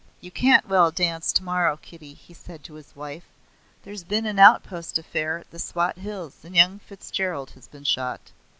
"You can't well dance tomorrow, Kitty," he said to his wife. "There's been an outpost affair in the Swat Hills, and young Fitzgerald has been shot.